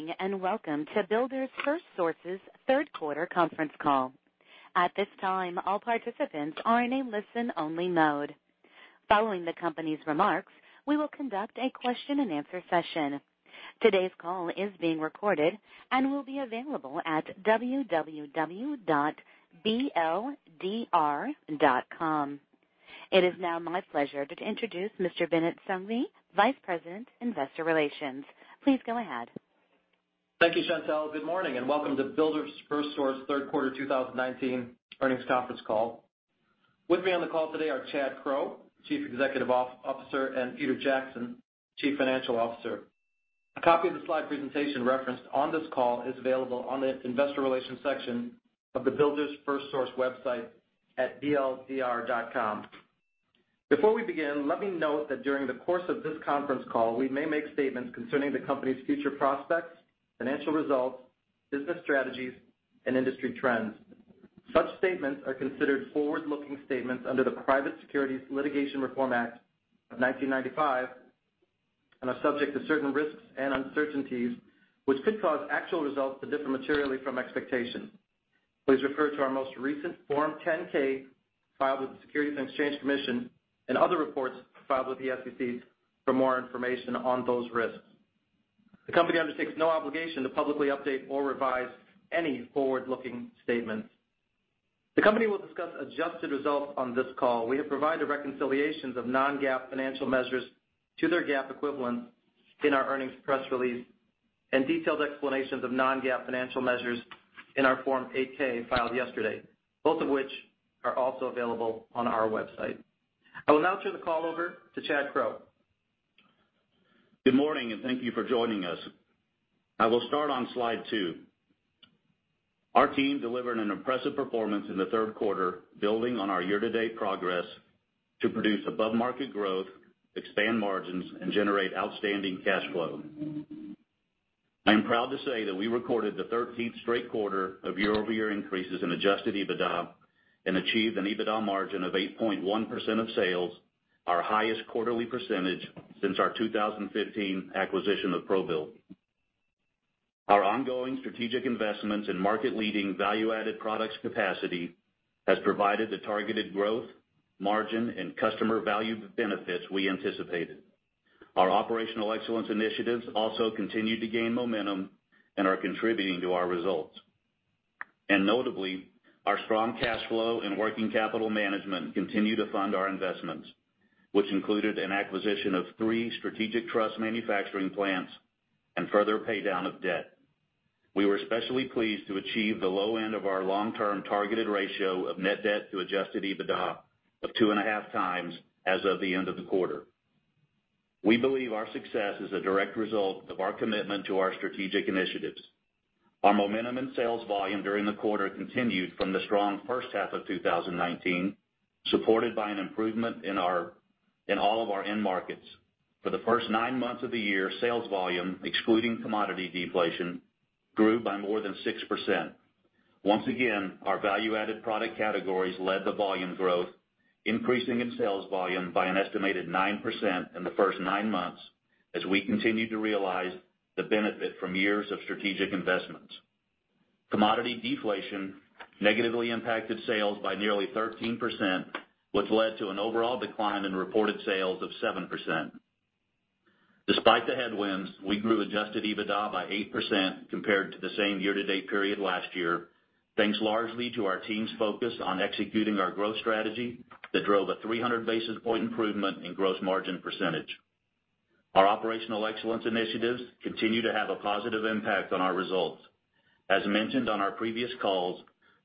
Good morning, welcome to Builders FirstSource's third quarter conference call. At this time, all participants are in a listen-only mode. Following the company's remarks, we will conduct a question and answer session. Today's call is being recorded and will be available at www.bldr.com. It is now my pleasure to introduce Mr. Binit Sanghvi, Vice President, Investor Relations. Please go ahead. Thank you, Chantelle. Good morning, and welcome to Builders FirstSource third quarter 2019 earnings conference call. With me on the call today are Chad Crow, Chief Executive Officer, and Peter Jackson, Chief Financial Officer. A copy of the slide presentation referenced on this call is available on the investor relations section of the Builders FirstSource website at bldr.com. Before we begin, let me note that during the course of this conference call, we may make statements concerning the company's future prospects, financial results, business strategies, and industry trends. Such statements are considered forward-looking statements under the Private Securities Litigation Reform Act of 1995 and are subject to certain risks and uncertainties which could cause actual results to differ materially from expectations. Please refer to our most recent Form 10-K filed with the Securities and Exchange Commission and other reports filed with the SEC for more information on those risks. The company undertakes no obligation to publicly update or revise any forward-looking statements. The company will discuss adjusted results on this call. We have provided reconciliations of non-GAAP financial measures to their GAAP equivalents in our earnings press release and detailed explanations of non-GAAP financial measures in our Form 8-K filed yesterday, both of which are also available on our website. I will now turn the call over to Chad Crow. Good morning. Thank you for joining us. I will start on slide two. Our team delivered an impressive performance in the third quarter, building on our year-over-year progress to produce above-market growth, expand margins, and generate outstanding cash flow. I am proud to say that we recorded the 13th straight quarter of year-over-year increases in adjusted EBITDA and achieved an EBITDA margin of 8.1% of sales, our highest quarterly percentage since our 2015 acquisition of ProBuild. Our ongoing strategic investments in market-leading value-added products capacity has provided the targeted growth, margin, and customer value benefits we anticipated. Our operational excellence initiatives also continue to gain momentum and are contributing to our results. Notably, our strong cash flow and working capital management continue to fund our investments, which included an acquisition of three strategic truss manufacturing plants and further pay-down of debt. We were especially pleased to achieve the low end of our long-term targeted ratio of net debt to adjusted EBITDA of two and a half times as of the end of the quarter. We believe our success is a direct result of our commitment to our strategic initiatives. Our momentum and sales volume during the quarter continued from the strong first half of 2019, supported by an improvement in all of our end markets. For the first nine months of the year, sales volume, excluding commodity deflation, grew by more than 6%. Once again, our value-added product categories led the volume growth, increasing in sales volume by an estimated 9% in the first nine months as we continued to realize the benefit from years of strategic investments. Commodity deflation negatively impacted sales by nearly 13%, which led to an overall decline in reported sales of 7%. Despite the headwinds, we grew adjusted EBITDA by 8% compared to the same year-to-date period last year, thanks largely to our team's focus on executing our growth strategy that drove a 300-basis point improvement in gross margin percentage. Our operational excellence initiatives continue to have a positive impact on our results. As mentioned on our previous calls,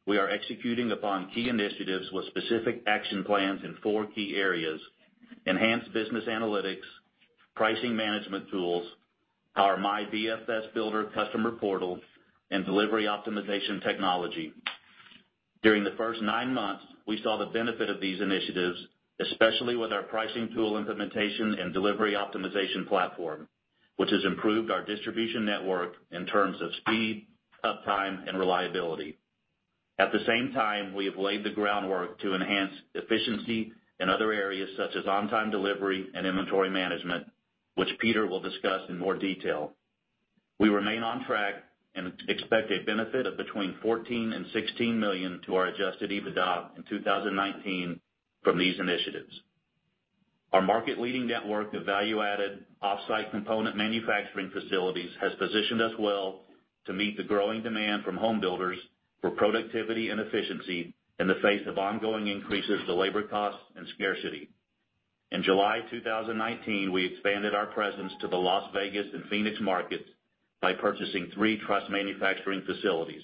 we are executing upon key initiatives with specific action plans in four key areas: enhanced business analytics, pricing management tools, our MyBFS Builder customer portal, and delivery optimization technology. During the first nine months, we saw the benefit of these initiatives, especially with our pricing tool implementation and delivery optimization platform, which has improved our distribution network in terms of speed, uptime, and reliability. At the same time, we have laid the groundwork to enhance efficiency in other areas such as on-time delivery and inventory management, which Peter will discuss in more detail. We remain on track and expect a benefit of between $14 million and $16 million to our adjusted EBITDA in 2019 from these initiatives. Our market-leading network of value-added off-site component manufacturing facilities has positioned us well to meet the growing demand from home builders for productivity and efficiency in the face of ongoing increases to labor costs and scarcity. In July 2019, we expanded our presence to the Las Vegas and Phoenix markets by purchasing three truss manufacturing facilities.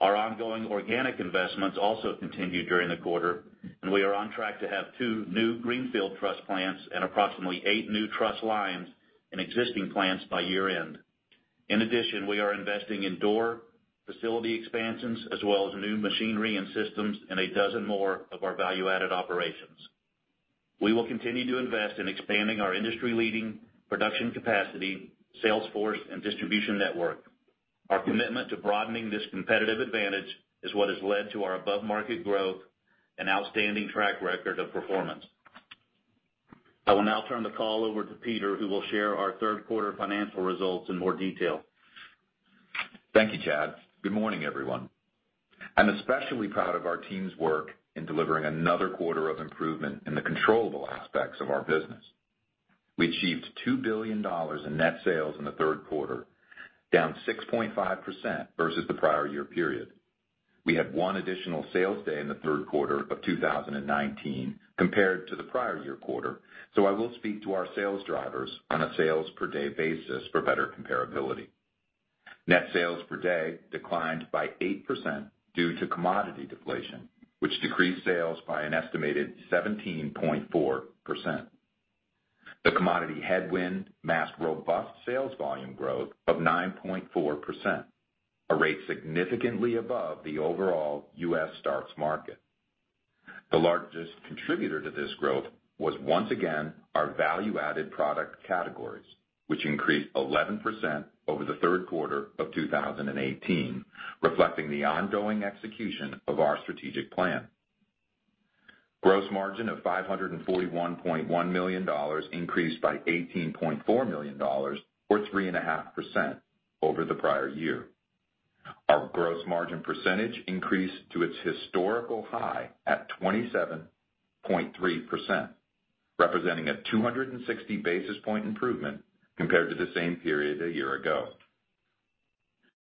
Our ongoing organic investments also continued during the quarter, and we are on track to have two new greenfield truss plants and approximately eight new truss lines in existing plants by year-end. In addition, we are investing in door facility expansions as well as new machinery and systems in a dozen more of our value-added operations. We will continue to invest in expanding our industry-leading production capacity, sales force, and distribution network. Our commitment to broadening this competitive advantage is what has led to our above-market growth and outstanding track record of performance. I will now turn the call over to Peter, who will share our third quarter financial results in more detail. Thank you, Chad. Good morning, everyone. I'm especially proud of our team's work in delivering another quarter of improvement in the controllable aspects of our business. We achieved $2 billion in net sales in the third quarter, down 6.5% versus the prior year period. We had one additional sales day in the third quarter of 2019 compared to the prior year quarter, so I will speak to our sales drivers on a sales per day basis for better comparability. Net sales per day declined by 8% due to commodity deflation, which decreased sales by an estimated 17.4%. The commodity headwind masked robust sales volume growth of 9.4%, a rate significantly above the overall U.S. starts market. The largest contributor to this growth was once again our value-added product categories, which increased 11% over the third quarter of 2018, reflecting the ongoing execution of our strategic plan. Gross margin of $541.1 million increased by $18.4 million or 3.5% over the prior year. Our gross margin percentage increased to its historical high at 27.3%, representing a 260 basis point improvement compared to the same period a year ago.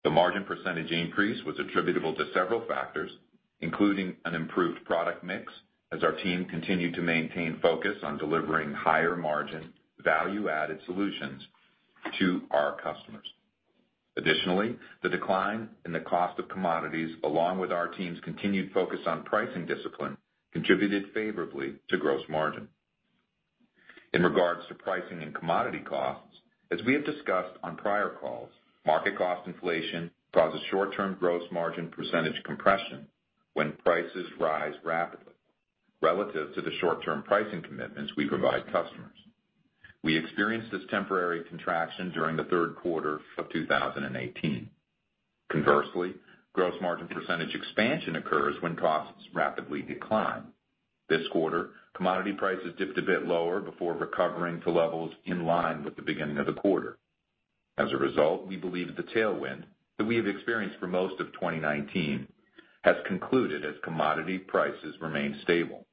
The margin percentage increase was attributable to several factors, including an improved product mix as our team continued to maintain focus on delivering higher-margin, value-added solutions to our customers. Additionally, the decline in the cost of commodities, along with our team's continued focus on pricing discipline, contributed favorably to gross margin. In regards to pricing and commodity costs, as we have discussed on prior calls, market cost inflation causes short-term gross margin percentage compression when prices rise rapidly relative to the short-term pricing commitments we provide customers. We experienced this temporary contraction during the third quarter of 2018. Conversely, gross margin percentage expansion occurs when costs rapidly decline. This quarter, commodity prices dipped a bit lower before recovering to levels in line with the beginning of the quarter. As a result, we believe the tailwind that we have experienced for most of 2019 has concluded as commodity prices remain stable,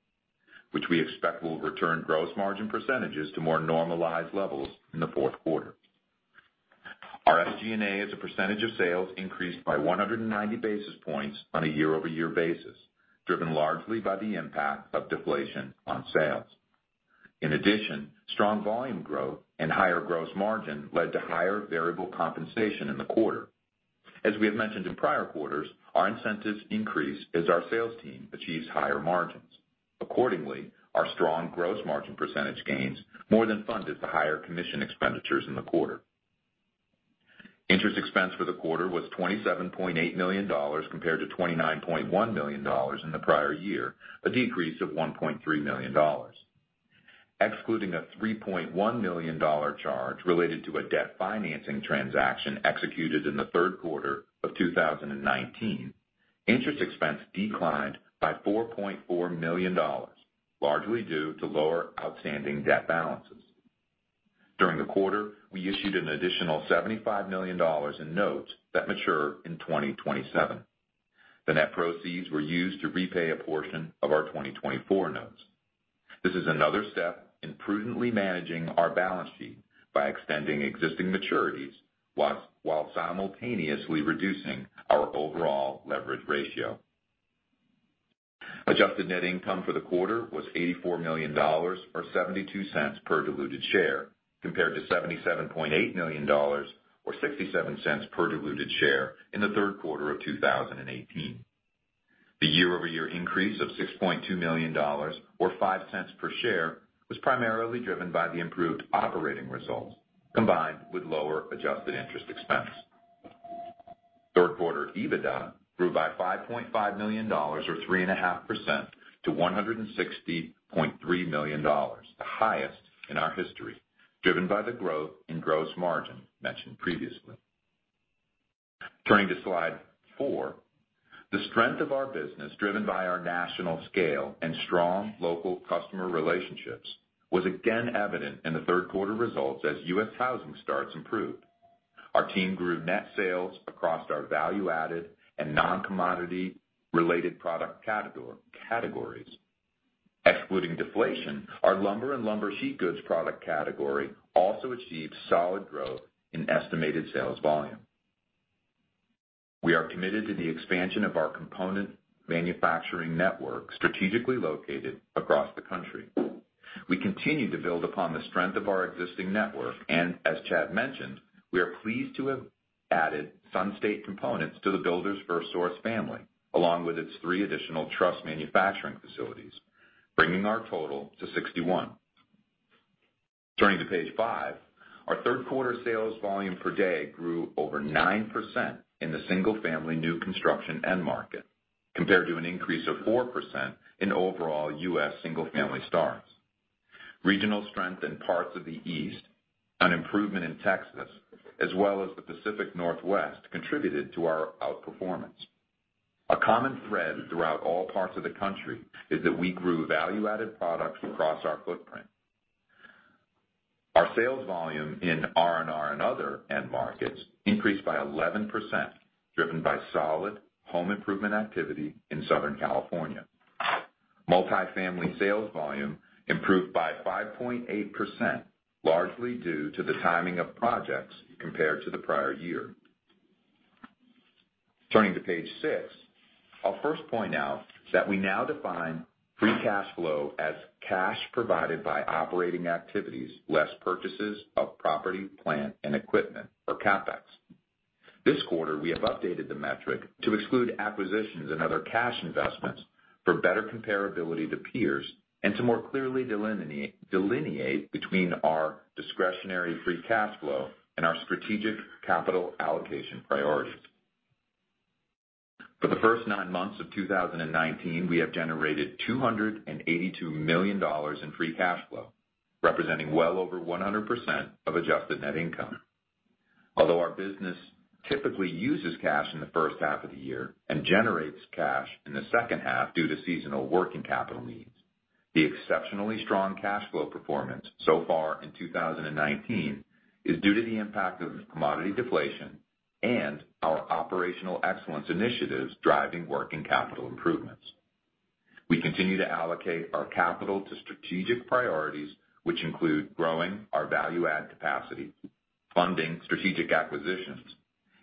which we expect will return gross margin percentages to more normalized levels in the fourth quarter. Our SG&A as a percentage of sales increased by 190 basis points on a year-over-year basis, driven largely by the impact of deflation on sales. In addition, strong volume growth and higher gross margin led to higher variable compensation in the quarter. As we have mentioned in prior quarters, our incentives increase as our sales team achieves higher margins. Accordingly, our strong gross margin percentage gains more than funded the higher commission expenditures in the quarter. Interest expense for the quarter was $27.8 million compared to $29.1 million in the prior year, a decrease of $1.3 million. Excluding a $3.1 million charge related to a debt financing transaction executed in the third quarter of 2019, interest expense declined by $4.4 million, largely due to lower outstanding debt balances. During the quarter, we issued an additional $75 million in notes that mature in 2027. The net proceeds were used to repay a portion of our 2024 notes. This is another step in prudently managing our balance sheet by extending existing maturities while simultaneously reducing our overall leverage ratio. Adjusted net income for the quarter was $84 million, or $0.72 per diluted share, compared to $77.8 million or $0.67 per diluted share in the third quarter of 2018. The year-over-year increase of $6.2 million or $0.05 per share was primarily driven by the improved operating results, combined with lower adjusted interest expense. Third quarter EBITDA grew by $5.5 million or 3.5% to $160.3 million, the highest in our history, driven by the growth in gross margin mentioned previously. Turning to slide four, the strength of our business, driven by our national scale and strong local customer relationships, was again evident in the third quarter results as U.S. housing starts improved. Our team grew net sales across our value-added and non-commodity related product categories. Excluding deflation, our lumber and lumber sheet goods product category also achieved solid growth in estimated sales volume. We are committed to the expansion of our component manufacturing network strategically located across the country. We continue to build upon the strength of our existing network, and as Chad mentioned, we are pleased to have added Sun State Components to the Builders FirstSource family, along with its three additional truss manufacturing facilities, bringing our total to 61. Turning to page five, our third quarter sales volume per day grew over 9% in the single family new construction end market, compared to an increase of 4% in overall U.S. single family starts. Regional strength in parts of the East, an improvement in Texas, as well as the Pacific Northwest, contributed to our outperformance. A common thread throughout all parts of the country is that we grew value-added products across our footprint. Our sales volume in R&R and other end markets increased by 11%, driven by solid home improvement activity in Southern California. Multifamily sales volume improved by 5.8%, largely due to the timing of projects compared to the prior year. Turning to page six, I'll first point out that we now define free cash flow as cash provided by operating activities less purchases of property, plant, and equipment or CapEx. This quarter, we have updated the metric to exclude acquisitions and other cash investments for better comparability to peers and to more clearly delineate between our discretionary free cash flow and our strategic capital allocation priorities. For the first nine months of 2019, we have generated $282 million in free cash flow, representing well over 100% of adjusted net income. Although our business typically uses cash in the first half of the year and generates cash in the second half due to seasonal working capital needs, the exceptionally strong cash flow performance so far in 2019 is due to the impact of commodity deflation and our operational excellence initiatives driving working capital improvements. We continue to allocate our capital to strategic priorities, which include growing our value add capacity, funding strategic acquisitions,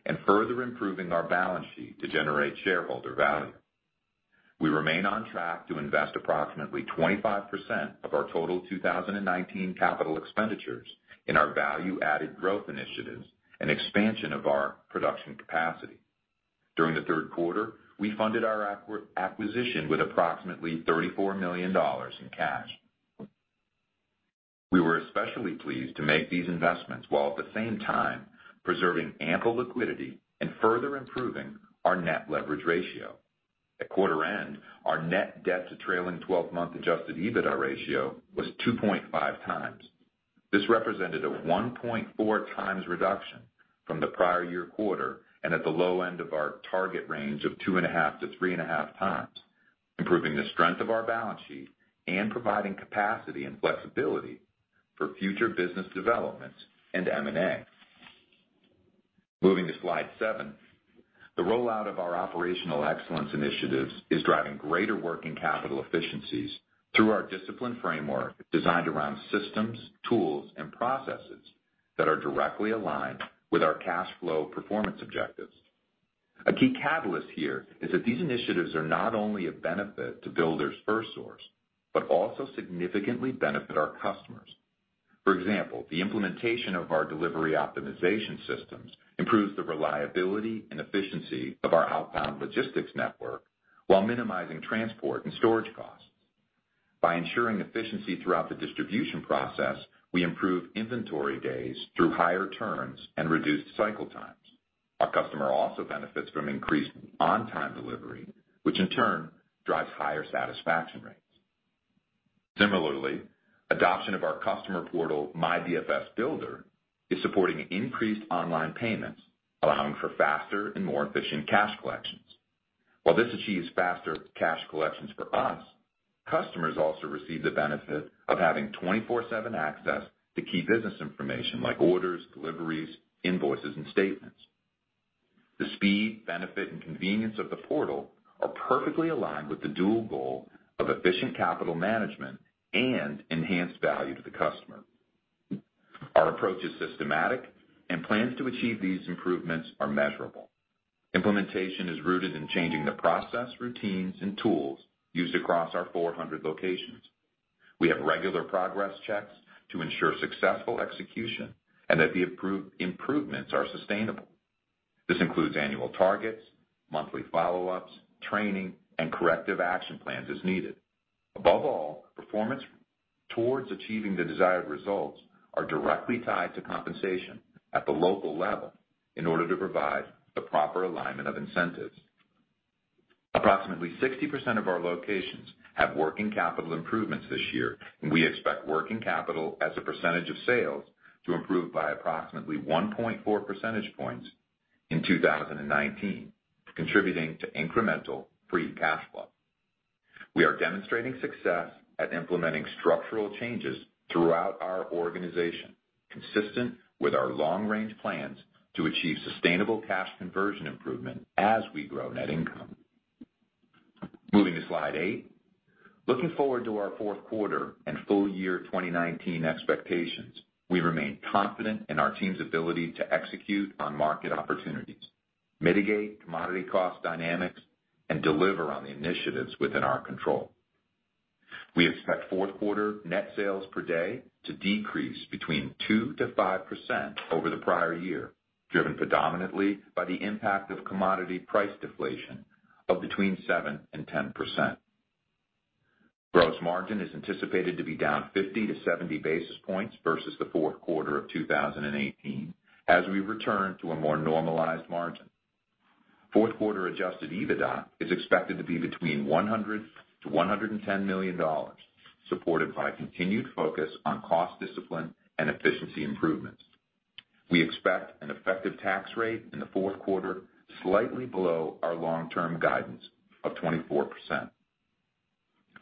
and further improving our balance sheet to generate shareholder value. We remain on track to invest approximately 25% of our total 2019 capital expenditures in our value-added growth initiatives and expansion of our production capacity. During the third quarter, we funded our acquisition with approximately $34 million in cash. We were especially pleased to make these investments while at the same time preserving ample liquidity and further improving our net leverage ratio. At quarter end, our net debt to trailing 12-month adjusted EBITDA ratio was 2.5 times. This represented a 1.4 times reduction from the prior year quarter and at the low end of our target range of 2.5 to 3.5 times, improving the strength of our balance sheet and providing capacity and flexibility for future business developments and M&A. Moving to slide seven. The rollout of our operational excellence initiatives is driving greater working capital efficiencies through our disciplined framework designed around systems, tools, and processes that are directly aligned with our cash flow performance objectives. A key catalyst here is that these initiatives are not only a benefit to Builders FirstSource, but also significantly benefit our customers. For example, the implementation of our delivery optimization systems improves the reliability and efficiency of our outbound logistics network while minimizing transport and storage costs. By ensuring efficiency throughout the distribution process, we improve inventory days through higher turns and reduced cycle times. Our customer also benefits from increased on-time delivery, which in turn drives higher satisfaction rates. Similarly, adoption of our customer portal, MyBFS Builder, is supporting increased online payments, allowing for faster and more efficient cash collections. While this achieves faster cash collections for us, customers also receive the benefit of having 24/7 access to key business information like orders, deliveries, invoices, and statements. The speed, benefit, and convenience of the portal are perfectly aligned with the dual goal of efficient capital management and enhanced value to the customer. Our approach is systematic and plans to achieve these improvements are measurable. Implementation is rooted in changing the process, routines, and tools used across our 400 locations. We have regular progress checks to ensure successful execution and that the improvements are sustainable. This includes annual targets, monthly follow-ups, training, and corrective action plans as needed. Above all, performance towards achieving the desired results are directly tied to compensation at the local level in order to provide the proper alignment of incentives. Approximately 60% of our locations have working capital improvements this year, and we expect working capital as a percentage of sales to improve by approximately 1.4 percentage points in 2019, contributing to incremental free cash flow. We are demonstrating success at implementing structural changes throughout our organization, consistent with our long-range plans to achieve sustainable cash conversion improvement as we grow net income. Moving to slide eight. Looking forward to our fourth quarter and full year 2019 expectations, we remain confident in our team's ability to execute on market opportunities, mitigate commodity cost dynamics, and deliver on the initiatives within our control. We expect fourth quarter net sales per day to decrease between 2%-5% over the prior year, driven predominantly by the impact of commodity price deflation of between 7% and 10%. Gross margin is anticipated to be down 50 to 70 basis points versus the fourth quarter of 2018, as we return to a more normalized margin. Fourth quarter adjusted EBITDA is expected to be between $100 million-$110 million, supported by continued focus on cost discipline and efficiency improvements. We expect an effective tax rate in the fourth quarter slightly below our long-term guidance of 24%.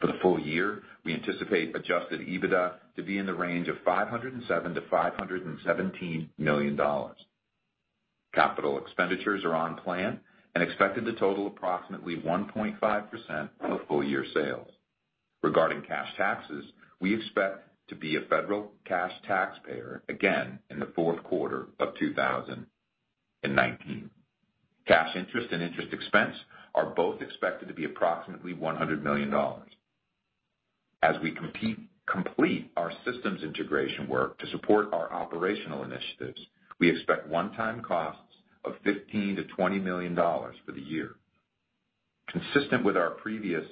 For the full year, we anticipate adjusted EBITDA to be in the range of $507 million-$517 million. Capital expenditures are on plan and expected to total approximately 1.5% of full-year sales. Regarding cash taxes, we expect to be a federal cash taxpayer again in the fourth quarter of 2019. Cash interest and interest expense are both expected to be approximately $100 million. As we complete our systems integration work to support our operational initiatives, we expect one-time costs of $15 million-$20 million for the year. Consistent with our previously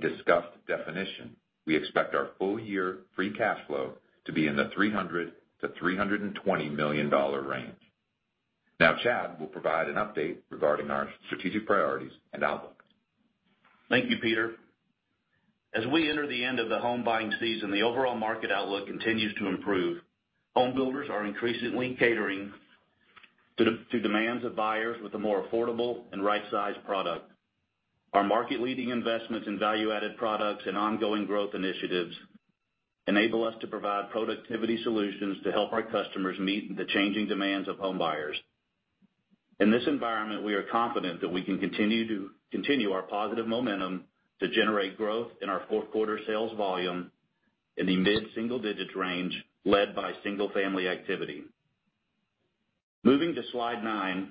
discussed definition, we expect our full-year free cash flow to be in the $300 million-$320 million range. Chad will provide an update regarding our strategic priorities and outlook. Thank you, Peter. As we enter the end of the home buying season, the overall market outlook continues to improve. Home builders are increasingly catering to demands of buyers with a more affordable and right-sized product. Our market-leading investments in value-added products and ongoing growth initiatives enable us to provide productivity solutions to help our customers meet the changing demands of home buyers. In this environment, we are confident that we can continue our positive momentum to generate growth in our fourth quarter sales volume in the mid-single-digit range, led by single-family activity. Moving to Slide nine.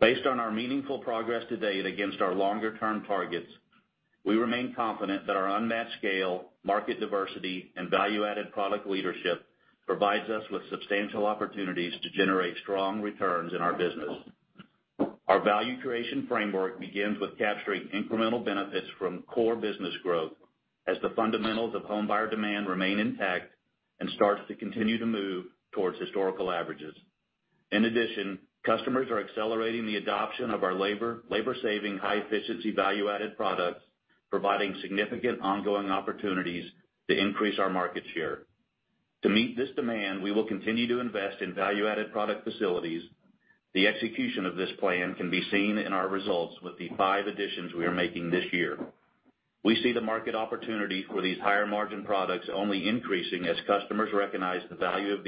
Based on our meaningful progress to date against our longer-term targets, we remain confident that our unmatched scale, market diversity, and value-added product leadership provides us with substantial opportunities to generate strong returns in our business. Our value creation framework begins with capturing incremental benefits from core business growth as the fundamentals of home buyer demand remain intact and starts to continue to move towards historical averages. In addition, customers are accelerating the adoption of our labor-saving, high-efficiency, value-added products, providing significant ongoing opportunities to increase our market share. To meet this demand, we will continue to invest in value-added product facilities. The execution of this plan can be seen in our results with the five additions we are making this year. We see the market opportunity for these higher-margin products only increasing as customers recognize the value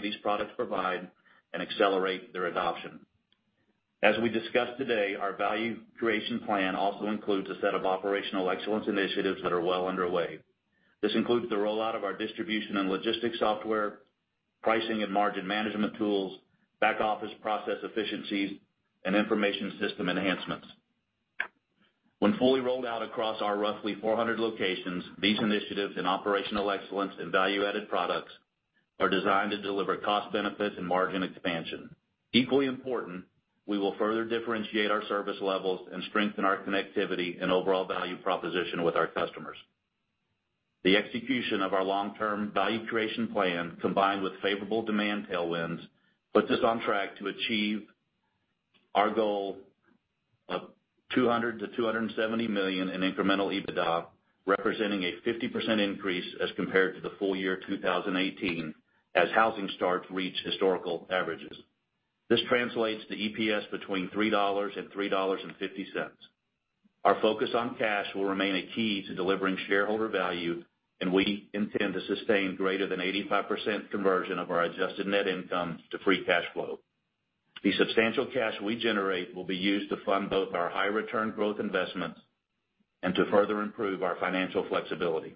these products provide and accelerate their adoption. As we discussed today, our value creation plan also includes a set of operational excellence initiatives that are well underway. This includes the rollout of our distribution and logistics software, pricing and margin management tools, back-office process efficiencies, and information system enhancements. When fully rolled out across our roughly 400 locations, these initiatives in operational excellence and value-added products are designed to deliver cost benefits and margin expansion. Equally important, we will further differentiate our service levels and strengthen our connectivity and overall value proposition with our customers. The execution of our long-term value creation plan, combined with favorable demand tailwinds, puts us on track to achieve our goal of $200 million-$270 million in incremental EBITDA, representing a 50% increase as compared to the full year 2018, as housing starts reach historical averages. This translates to EPS between $3 and $3.50. Our focus on cash will remain a key to delivering shareholder value, and we intend to sustain greater than 85% conversion of our adjusted net income to free cash flow. The substantial cash we generate will be used to fund both our high-return growth investments and to further improve our financial flexibility.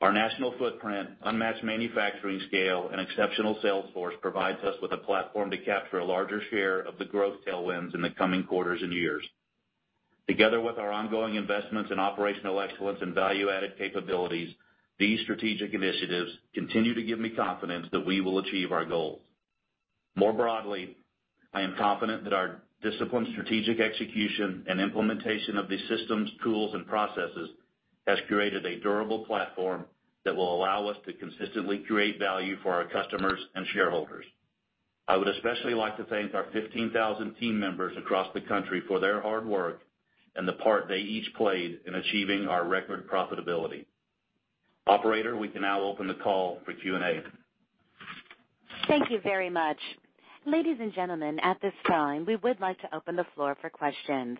Our national footprint, unmatched manufacturing scale, and exceptional sales force provides us with a platform to capture a larger share of the growth tailwinds in the coming quarters and years. Together with our ongoing investments in operational excellence and value-added capabilities, these strategic initiatives continue to give me confidence that we will achieve our goals. More broadly, I am confident that our disciplined strategic execution and implementation of these systems, tools, and processes has created a durable platform that will allow us to consistently create value for our customers and shareholders. I would especially like to thank our 15,000 team members across the country for their hard work and the part they each played in achieving our record profitability. Operator, we can now open the call for Q&A. Thank you very much. Ladies and gentlemen, at this time, we would like to open the floor for questions.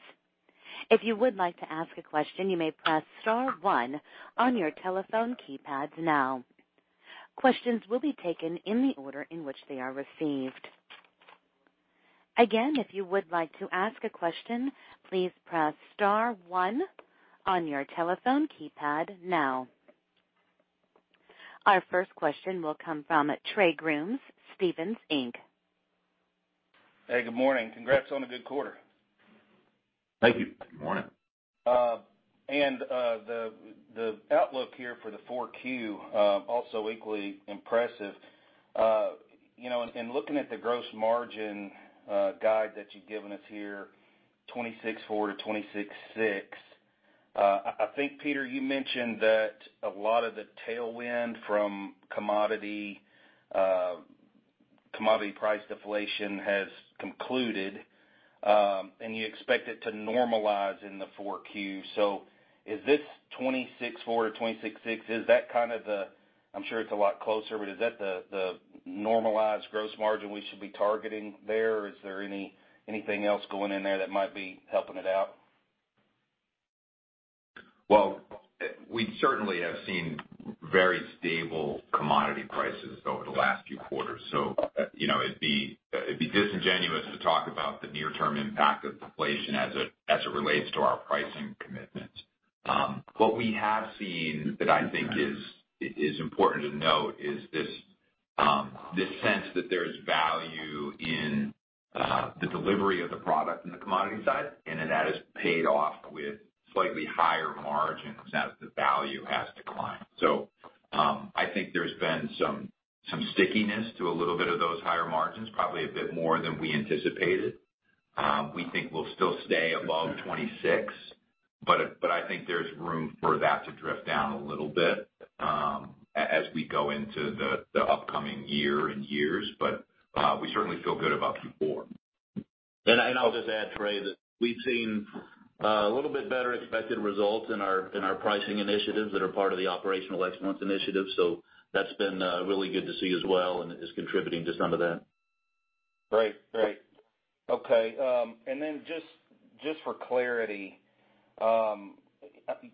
If you would like to ask a question, you may press star one on your telephone keypads now. Questions will be taken in the order in which they are received. Again, if you would like to ask a question, please press star one on your telephone keypad now. Our first question will come from Trey Grooms, Stephens Inc. Hey, good morning. Congrats on a good quarter. Thank you. Good morning. The outlook here for the 4Q, also equally impressive. In looking at the gross margin guide that you've given us here, 26.4%-26.6%, I think, Peter, you mentioned that a lot of the tailwind from commodity price deflation has concluded, and you expect it to normalize in the 4Q. Is this 26.4%-26.6%, I'm sure it's a lot closer, but is that the normalized gross margin we should be targeting there? Is there anything else going in there that might be helping it out? Well, we certainly have seen very stable commodity prices over the last few quarters, it'd be disingenuous to talk about the near-term impact of deflation as it relates to our pricing commitments. What we have seen that I think is important to note is this sense that there's value in the delivery of the product in the commodity side, that is paid off with slightly higher margins as the value has declined. I think there's been some stickiness to a little bit of those higher margins, probably a bit more than we anticipated. We think we'll still stay above 26%, I think there's room for that to drift down a little bit as we go into the upcoming year and years. We certainly feel good about Q4. I'll just add, Trey, that we've seen a little bit better expected results in our pricing initiatives that are part of the Operational Excellence Initiative. That's been really good to see as well, and it is contributing to some of that. Great. Okay. Just for clarity,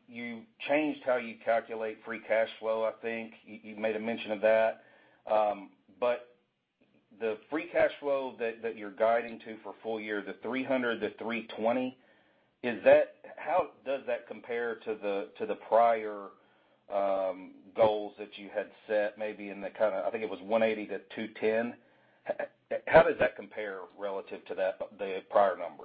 you changed how you calculate free cash flow, I think. You made a mention of that. The free cash flow that you're guiding to for full year, the $300 million-$320 million, how does that compare to the prior goals that you had set, maybe in the, I think it was $180 million-$210 million? How does that compare relative to the prior number?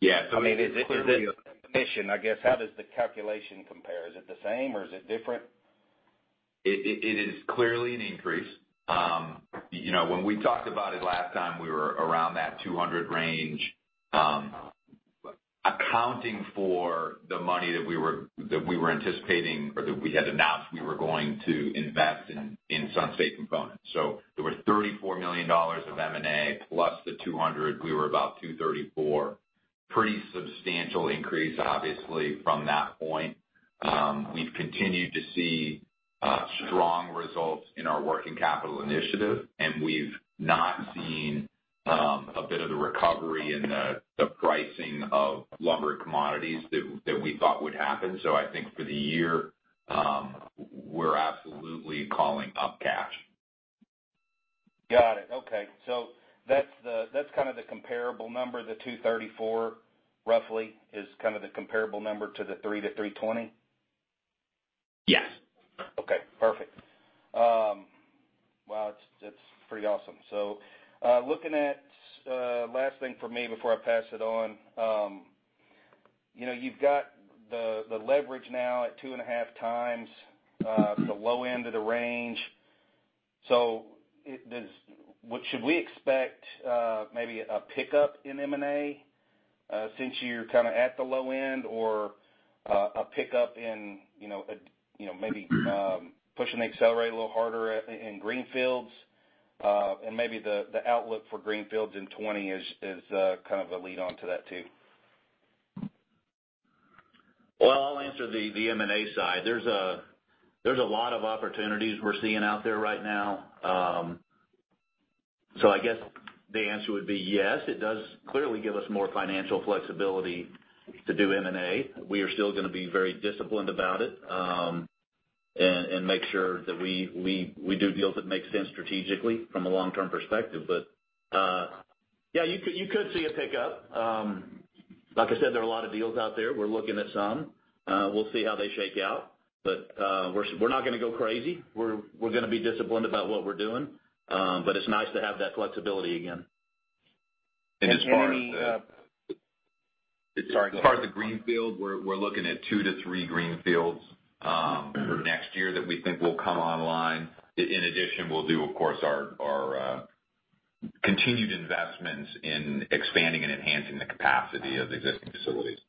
Yeah. Is it a combination, I guess? How does the calculation compare? Is it the same or is it different? It is clearly an increase. When we talked about it last time, we were around that 200 range, accounting for the money that we were anticipating, or that we had announced we were going to invest in Sun State Components. There was $34 million of M&A plus the 200. We were about 234. Pretty substantial increase, obviously, from that point. We've continued to see strong results in our working capital initiative, and we've not seen a bit of the recovery in the pricing of lumber commodities that we thought would happen. I think for the year, we're absolutely calling up cash. Got it. Okay. That's kind of the comparable number, the $234, roughly, is kind of the comparable number to the $3-$320? Yes. Okay, perfect. Wow, that's pretty awesome. Looking at last thing from me before I pass it on. You've got the leverage now at 2.5 times. the low end of the range. Should we expect maybe a pickup in M&A since you're at the low end? pushing the accelerator a little harder in greenfields? Maybe the outlook for greenfields in 2020 is kind of a lead on to that too. I'll answer the M&A side. There's a lot of opportunities we're seeing out there right now. I guess the answer would be yes, it does clearly give us more financial flexibility to do M&A. We are still going to be very disciplined about it, and make sure that we do deals that make sense strategically from a long-term perspective. Yeah, you could see a pickup. Like I said, there are a lot of deals out there. We're looking at some. We'll see how they shake out. We're not going to go crazy. We're going to be disciplined about what we're doing. It's nice to have that flexibility again. And any- And as far as the- Sorry. As far as the greenfield, we're looking at two to three greenfields. for next year that we think will come online. In addition, we'll do, of course, our continued investments in expanding and enhancing the capacity of existing facilities.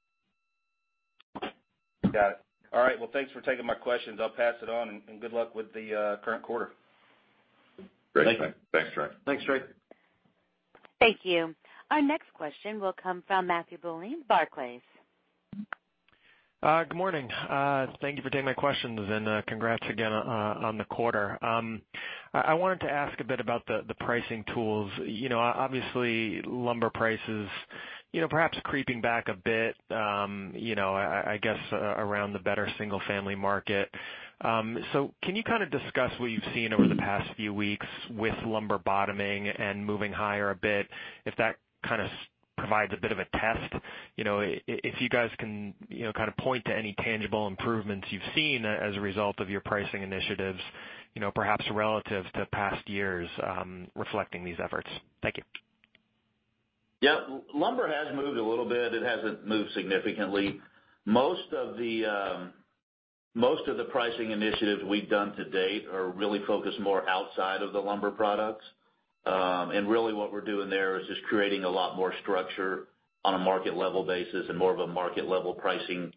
Got it. All right. Well, thanks for taking my questions. I'll pass it on, and good luck with the current quarter. Great. Thank you. Thanks, Trey. Thanks, Trey. Thank you. Our next question will come from Matthew Bouley, Barclays. Good morning. Thank you for taking my questions, and congrats again on the quarter. I wanted to ask a bit about the pricing tools. Obviously, lumber prices perhaps creeping back a bit, I guess, around the better single-family market. Can you kind of discuss what you've seen over the past few weeks with lumber bottoming and moving higher a bit, if that kind of provides a bit of a test? If you guys can kind of point to any tangible improvements you've seen as a result of your pricing initiatives, perhaps relative to past years, reflecting these efforts? Thank you. Yeah. Lumber has moved a little bit. It hasn't moved significantly. Most of the pricing initiatives we've done to date are really focused more outside of the lumber products. Really what we're doing there is just creating a lot more structure on a market level basis and more of a market level pricing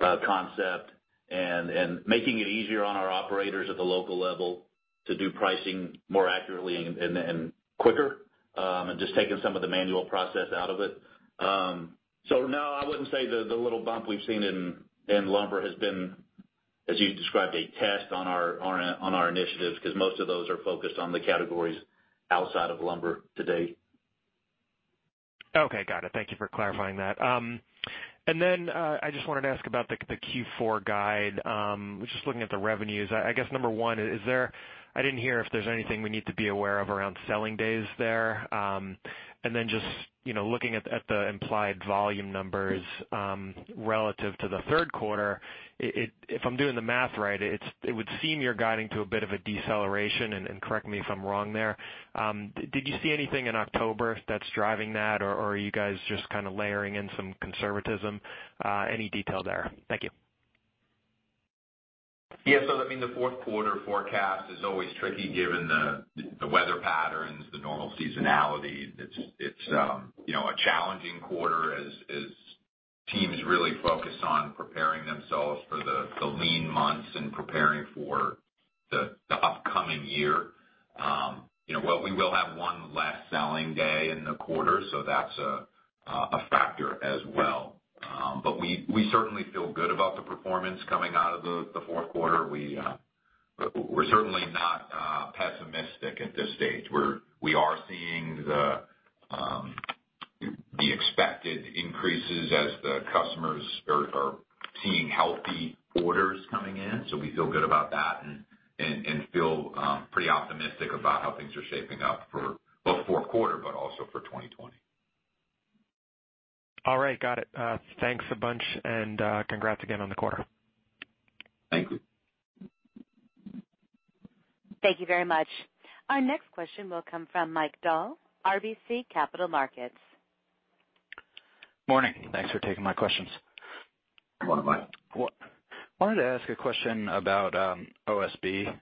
concept and making it easier on our operators at the local level to do pricing more accurately and quicker, and just taking some of the manual process out of it. No, I wouldn't say the little bump we've seen in lumber has been, as you described, a test on our initiatives, because most of those are focused on the categories outside of lumber to date. Okay. Got it. Thank you for clarifying that. I just wanted to ask about the Q4 guide. Just looking at the revenues, I guess number one, I didn't hear if there's anything we need to be aware of around selling days there. Just looking at the implied volume numbers relative to the third quarter, if I'm doing the math right, it would seem you're guiding to a bit of a deceleration, and correct me if I'm wrong there. Did you see anything in October that's driving that, or are you guys just kind of layering in some conservatism? Any detail there? Thank you. Yeah. The fourth quarter forecast is always tricky given the weather patterns, the normal seasonality. It's a challenging quarter as teams really focus on preparing themselves for the lean months and preparing for the upcoming year. We will have one less selling day in the quarter, so that's a factor as well. We certainly feel good about the performance coming out of the fourth quarter. We're certainly not pessimistic at this stage. We are seeing the expected increases as the customers are seeing healthy orders coming in. We feel good about that and feel pretty optimistic about how things are shaping up for both fourth quarter, but also for 2020. All right. Got it. Thanks a bunch, and congrats again on the quarter. Thank you. Thank you very much. Our next question will come from Michael Dahl, RBC Capital Markets. Morning. Thanks for taking my questions. Good morning, Mike. Wanted to ask a question about OSB.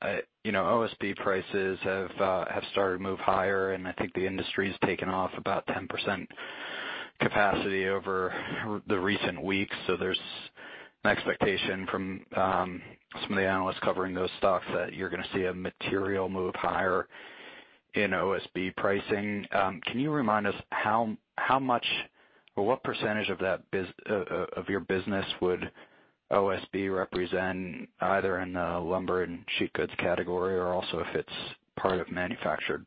OSB prices have started to move higher, and I think the industry's taken off about 10% capacity over the recent weeks. There's an expectation from some of the analysts covering those stocks that you're going to see a material move higher in OSB pricing. Can you remind us what percentage of your business would OSB represent, either in the lumber and sheet goods category, or also if it's part of manufactured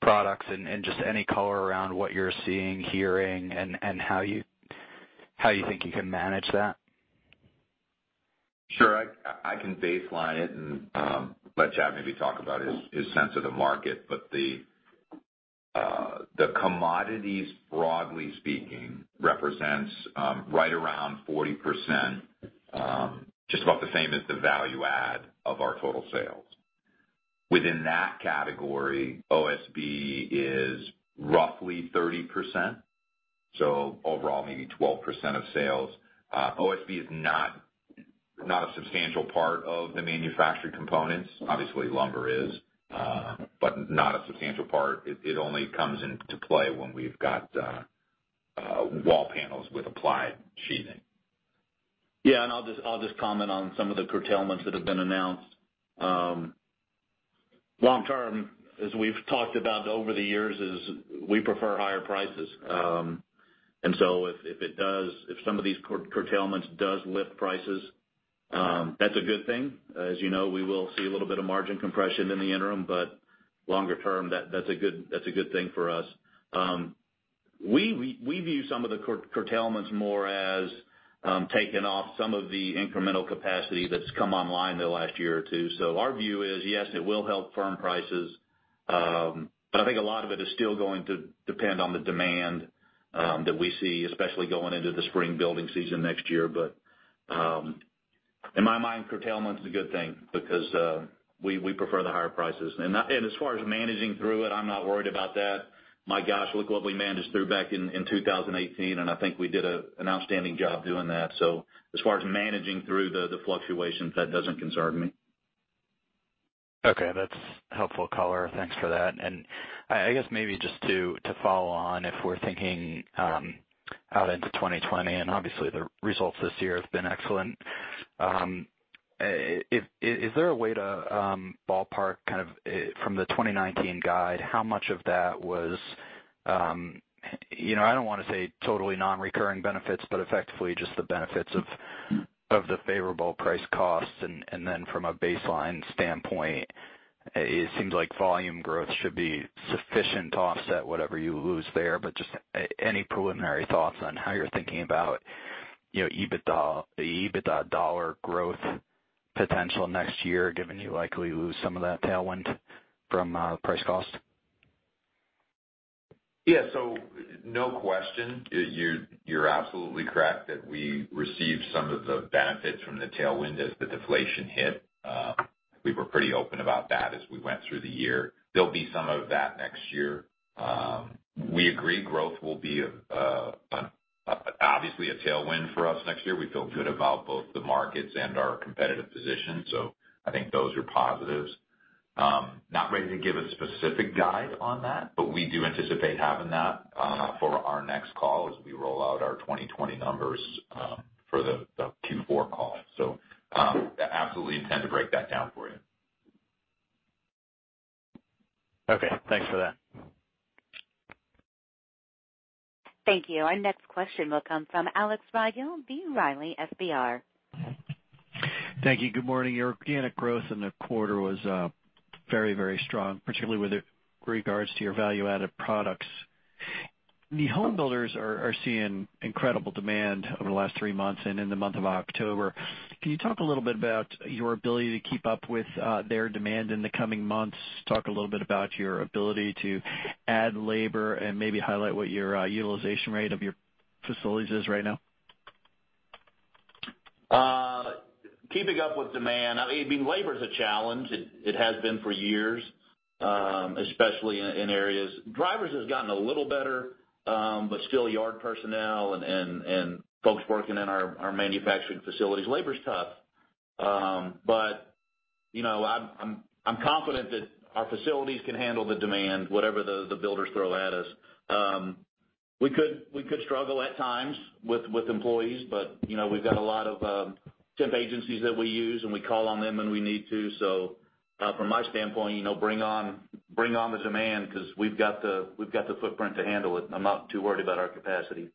products, and just any color around what you're seeing, hearing, and how you think you can manage that? Sure. I can baseline it and let Chad maybe talk about his sense of the market. The commodities, broadly speaking, represents right around 40%, just about the same as the value add of our total sales. Within that category, OSB is roughly 30%, so overall, maybe 12% of sales. OSB is not a substantial part of the manufactured components. Obviously lumber is, but not a substantial part. It only comes into play when we've got wall panels with applied sheathing. Yeah. I'll just comment on some of the curtailments that have been announced. Long term, as we've talked about over the years, is we prefer higher prices. If some of these curtailments does lift prices, that's a good thing. As you know, we will see a little bit of margin compression in the interim, but longer term, that's a good thing for us. We view some of the curtailments more as taking off some of the incremental capacity that's come online the last year or two. Our view is, yes, it will help firm prices. I think a lot of it is still going to depend on the demand that we see, especially going into the spring building season next year. In my mind, curtailment is a good thing because we prefer the higher prices. As far as managing through it, I'm not worried about that. My gosh, look what we managed through back in 2018, and I think we did an outstanding job doing that. As far as managing through the fluctuations, that doesn't concern me. Okay. That's helpful color. Thanks for that. I guess maybe just to follow on, if we're thinking out into 2020, and obviously the results this year have been excellent. Is there a way to ballpark from the 2019 guide, how much of that was, I don't want to say totally non-recurring benefits, but effectively just the benefits of the favorable price costs? From a baseline standpoint, it seems like volume growth should be sufficient to offset whatever you lose there. Just any preliminary thoughts on how you're thinking about EBITDA dollar growth potential next year, given you likely lose some of that tailwind from price cost? Yeah. No question. You're absolutely correct that we received some of the benefits from the tailwind as the deflation hit. We were pretty open about that as we went through the year. There'll be some of that next year. We agree growth will be obviously a tailwind for us next year. We feel good about both the markets and our competitive position, so I think those are positives. I'm not ready to give a specific guide on that, but we do anticipate having that for our next call as we roll out our 2020 numbers for the Q4 call. Absolutely intend to break that down for you. Okay. Thanks for that. Thank you. Our next question will come from Alex Rygiel, B. Riley FBR. Thank you. Good morning. Your organic growth in the quarter was very strong, particularly with regards to your value-added products. The home builders are seeing incredible demand over the last three months and in the month of October. Can you talk a little bit about your ability to keep up with their demand in the coming months? Talk a little bit about your ability to add labor and maybe highlight what your utilization rate of your facilities is right now. Keeping up with demand, labor is a challenge. It has been for years, especially in areas. Drivers has gotten a little better. Still, yard personnel and folks working in our manufacturing facilities, labor's tough. I'm confident that our facilities can handle the demand, whatever the builders throw at us. We could struggle at times with employees, but we've got a lot of temp agencies that we use, and we call on them when we need to. From my standpoint, bring on the demand because we've got the footprint to handle it. I'm not too worried about our capacity.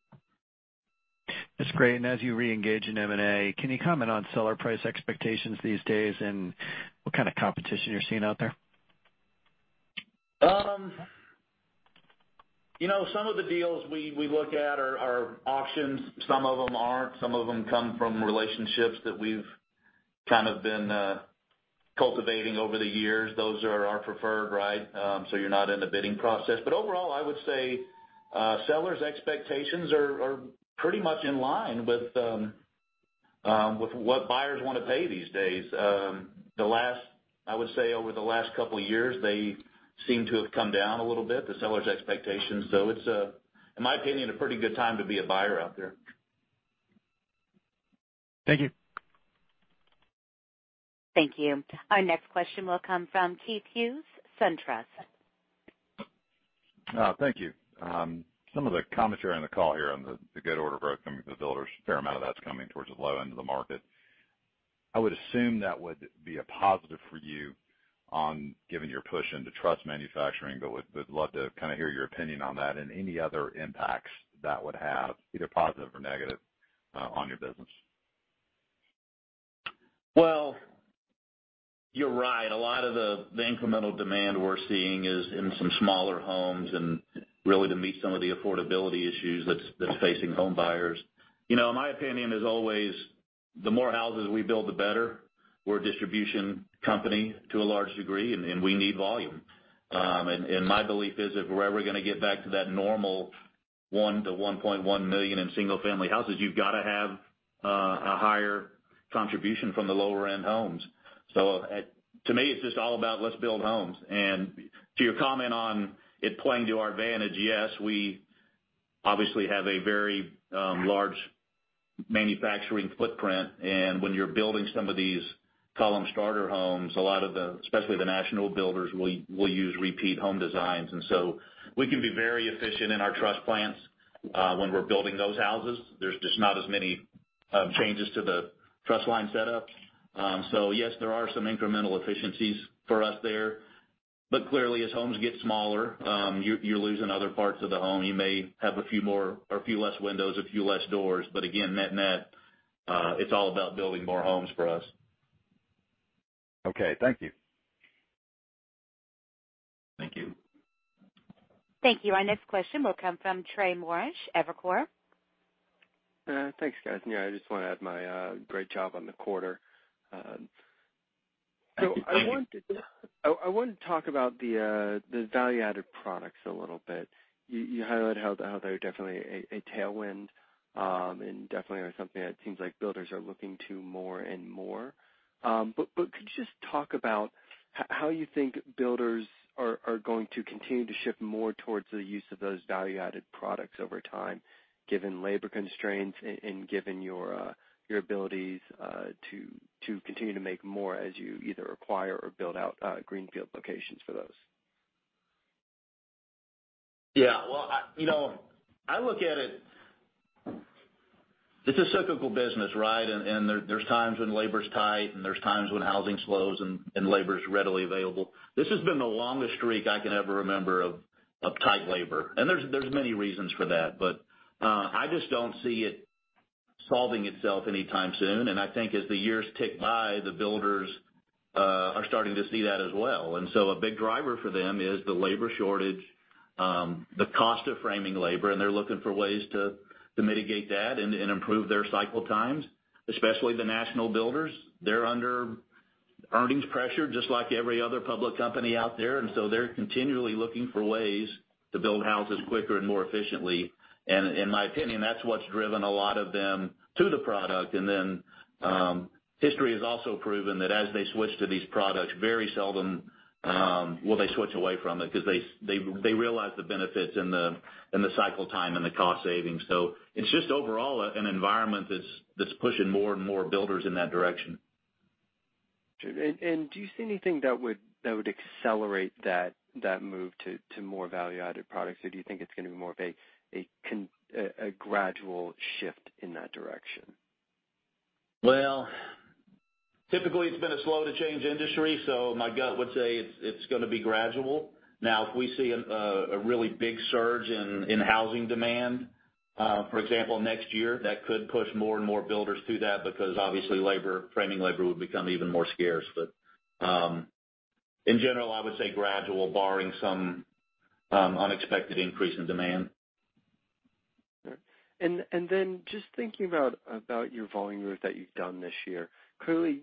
That's great. As you reengage in M&A, can you comment on seller price expectations these days and what kind of competition you're seeing out there? Some of the deals we look at are auctions. Some of them aren't. Some of them come from relationships that we've kind of been cultivating over the years. Those are our preferred. You're not in the bidding process. Overall, I would say sellers' expectations are pretty much in line with what buyers want to pay these days. I would say over the last couple of years, they seem to have come down a little bit, the sellers' expectations. It's, in my opinion, a pretty good time to be a buyer out there. Thank you. Thank you. Our next question will come from Keith Hughes, SunTrust. Thank you. Some of the commentary on the call here on the good order growth coming from the builders, a fair amount of that's coming towards the low end of the market. I would assume that would be a positive for you on giving your push into truss manufacturing, but would love to kind of hear your opinion on that and any other impacts that would have, either positive or negative, on your business. Well, you're right. A lot of the incremental demand we're seeing is in some smaller homes and really to meet some of the affordability issues that's facing home buyers. My opinion is always the more houses we build, the better. We're a distribution company to a large degree, we need volume. My belief is, if we're ever going to get back to that normal $1 million-$1.1 million in single-family houses, you've got to have a higher contribution from the lower-end homes. To me, it's just all about let's build homes. To your comment on it playing to our advantage, yes, we obviously have a very large manufacturing footprint, and when you're building some of these common starter homes, a lot of the, especially the national builders, will use repeat home designs. We can be very efficient in our truss plants when we're building those houses. There's just not as many changes to the truss line setup. Yes, there are some incremental efficiencies for us there. Clearly, as homes get smaller, you're losing other parts of the home. You may have a few less windows, a few less doors, but again, net, it's all about building more homes for us. Okay. Thank you. Thank you. Thank you. Our next question will come from Trey Morrish, Evercore. Thanks, guys. I just want to add my great job on the quarter. Thank you. I wanted to talk about the value-added products a little bit. You highlight how they're definitely a tailwind and definitely are something that seems like builders are looking to more and more. Could you just talk about how you think builders are going to continue to shift more towards the use of those value-added products over time, given labor constraints and given your abilities to continue to make more as you either acquire or build out greenfield locations for those? I look at it's a cyclical business, right? There's times when labor's tight, and there's times when housing slows and labor is readily available. This has been the longest streak I can ever remember of tight labor, and there's many reasons for that, but I just don't see it solving itself anytime soon. I think as the years tick by, the builders are starting to see that as well. A big driver for them is the labor shortage, the cost of framing labor, and they're looking for ways to mitigate that and improve their cycle times, especially the national builders. They're under earnings pressure just like every other public company out there. They're continually looking for ways to build houses quicker and more efficiently. In my opinion, that's what's driven a lot of them to the product. History has also proven that as they switch to these products, very seldom will they switch away from it. They realize the benefits and the cycle time and the cost savings. It's just overall an environment that's pushing more and more builders in that direction. Sure. Do you see anything that would accelerate that move to more value-added products? Do you think it's going to be more of a gradual shift in that direction? Well, typically it's been a slow-to-change industry. My gut would say it's going to be gradual. Now, if we see a really big surge in housing demand, for example, next year, that could push more and more builders to that because obviously framing labor would become even more scarce. In general, I would say gradual, barring some unexpected increase in demand. Sure. Just thinking about your volume growth that you've done this year. Clearly,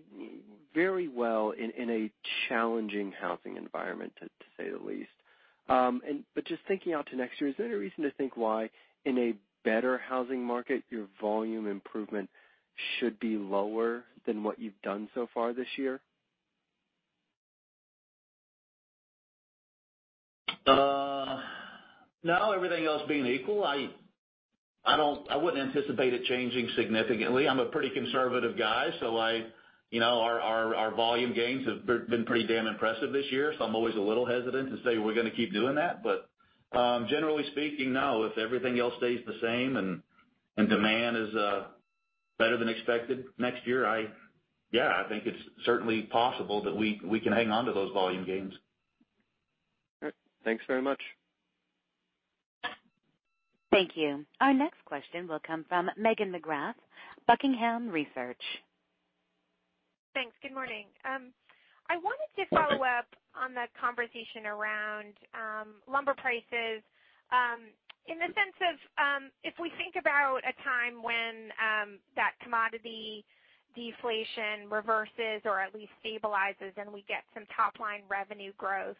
very well in a challenging housing environment, to say the least. Just thinking out to next year, is there any reason to think why, in a better housing market, your volume improvement should be lower than what you've done so far this year? No, everything else being equal, I wouldn't anticipate it changing significantly. I'm a pretty conservative guy, so our volume gains have been pretty damn impressive this year. I'm always a little hesitant to say we're going to keep doing that. Generally speaking, no. If everything else stays the same and demand is better than expected next year, yeah, I think it's certainly possible that we can hang on to those volume gains. All right. Thanks very much. Thank you. Our next question will come from Megan McGrath, Buckingham Research. Thanks. Good morning. I wanted to follow up on the conversation around lumber prices, in the sense of, if we think about a time when that commodity deflation reverses or at least stabilizes and we get some top-line revenue growth.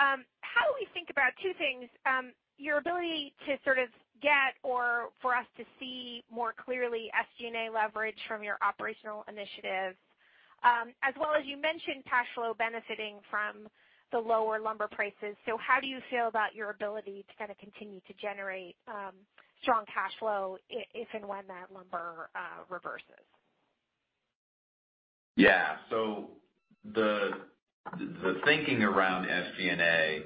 How do we think about two things? Your ability to sort of get, or for us to see more clearly, SG&A leverage from your operational initiatives. As well as you mentioned cash flow benefiting from the lower lumber prices. How do you feel about your ability to kind of continue to generate strong cash flow, if and when that lumber reverses? Yeah. The thinking around SG&A,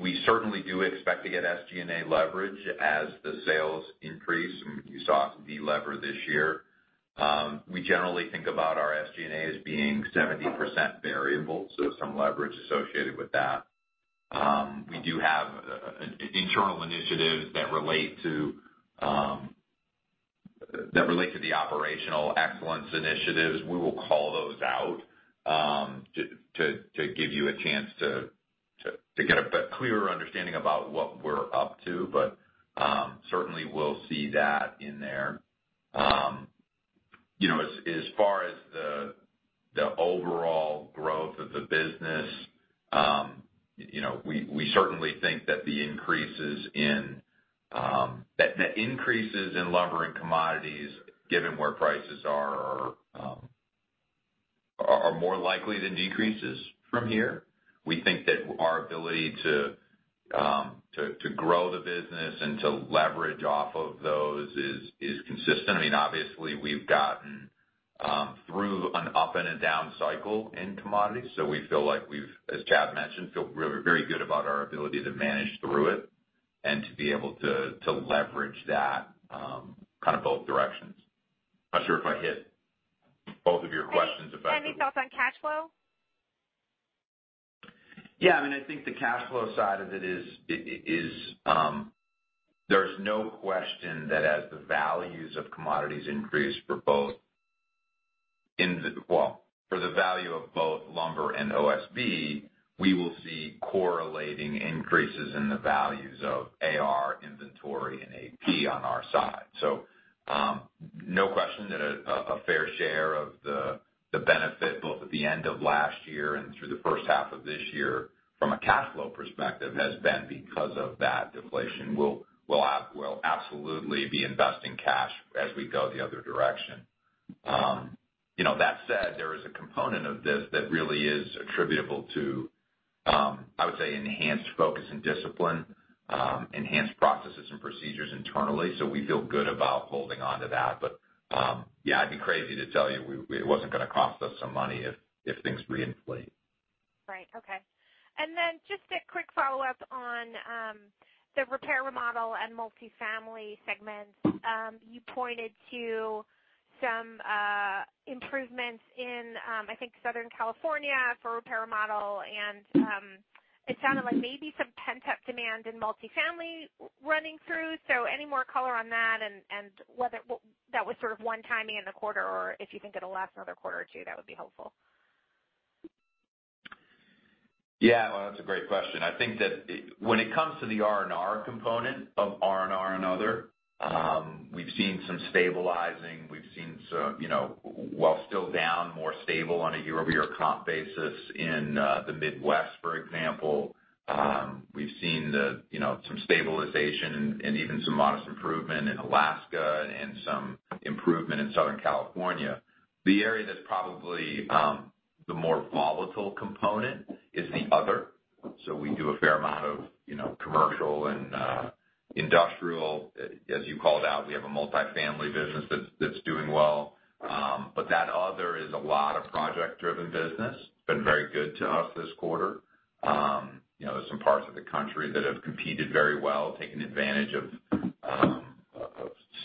we certainly do expect to get SG&A leverage as the sales increase. You saw us delever this year. We generally think about our SG&A as being 70% variable, so some leverage associated with that. We do have internal initiatives that relate to the operational excellence initiatives. We will call those out to give you a chance to get a clearer understanding about what we're up to. Certainly, we'll see that in there. As far as the overall growth of the business, we certainly think that the increases in lumber and commodities, given where prices are more likely than decreases from here. We think that our ability to grow the business and to leverage off of those is consistent. Obviously, we've gotten through an up and a down cycle in commodities, so we feel like, as Chad mentioned, feel very good about our ability to manage through it and to be able to leverage that both directions. I am not sure if I hit both of your questions effectively. Any thoughts on cash flow? Yeah, I think the cash flow side of it is, there's no question that as the values of commodities increase, well, for the value of both lumber and OSB, we will see correlating increases in the values of AR inventory and AP on our side. No question that a fair share of the benefit, both at the end of last year and through the first half of this year from a cash flow perspective, has been because of that deflation. We'll absolutely be investing cash as we go the other direction. That said, there is a component of this that really is attributable to, I would say, enhanced focus and discipline, enhanced processes and procedures internally. We feel good about holding onto that. Yeah, I'd be crazy to tell you it wasn't going to cost us some money if things reinflate. Right. Okay. Just a quick follow-up on the repair, remodel, and multifamily segments. You pointed to some improvements in, I think, Southern California for repair, remodel, and it sounded like maybe some pent-up demand in multifamily running through. Any more color on that, and whether that was sort of one timing in the quarter, or if you think it'll last another quarter or two, that would be helpful. Yeah. Well, that's a great question. I think that when it comes to the R&R component of R&R and other, we've seen some stabilizing. We've seen some, while still down, more stable on a year-over-year comp basis in the Midwest, for example. We've seen some stabilization and even some modest improvement in Alaska and some improvement in Southern California. The area that's probably the more volatile component is the other. We do a fair amount of commercial and industrial. As you called out, we have a multifamily business that's doing well. That other is a lot of project-driven business. It's been very good to us this quarter. There's some parts of the country that have competed very well, taking advantage of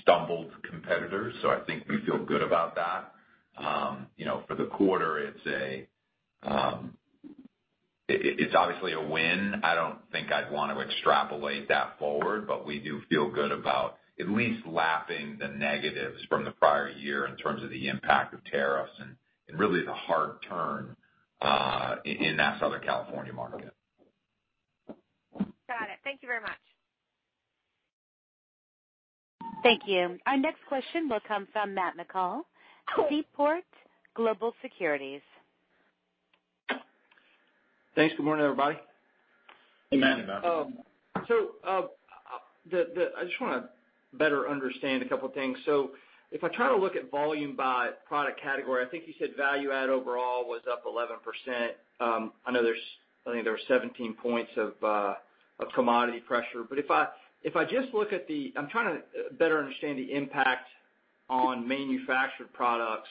stumbled competitors. I think we feel good about that. For the quarter, it's obviously a win. I don't think I'd want to extrapolate that forward, but we do feel good about at least lapping the negatives from the prior year in terms of the impact of tariffs and really the hard turn in that Southern California market. Got it. Thank you very much. Thank you. Our next question will come from Matt McCall, Seaport Global Securities. Thanks. Good morning, everybody. Hey, Matt. I just want to better understand a couple of things. If I try to look at volume by product category, I think you said value add overall was up 11%. I know I think there were 17 points of commodity pressure. If I just look at the, I'm trying to better understand the impact on manufactured products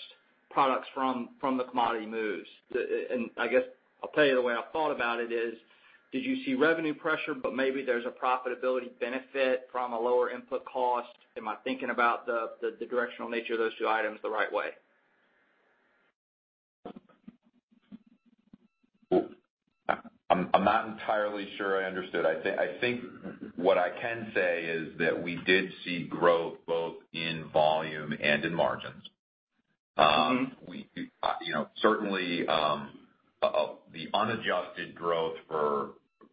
from the commodity moves. I guess I'll tell you the way I thought about it is, did you see revenue pressure, but maybe there's a profitability benefit from a lower input cost? Am I thinking about the directional nature of those two items the right way? I'm not entirely sure I understood. I think what I can say is that we did see growth both in volume and in margins. Certainly, the unadjusted growth for